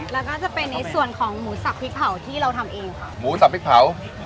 แล้วก็จะเป็นในส่วนของหมูสับพริกเผาที่เราทำเองค่ะหมูสับพริกเผา